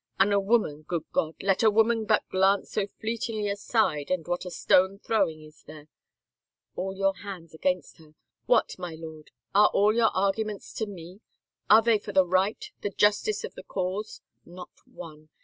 An* a woman — good God, let a woman but glance so fleetingly aside and what a stone throwing is there ! All your hands against her. ... What, my lord, are all your arguments to me ? Are they for the right, the justice of the cause? Not one!